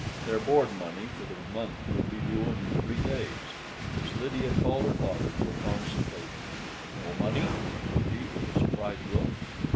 Their board money for the month would be due in three days. Miss Lydia called her father to a consultation. "No money?" said he with a surprised look.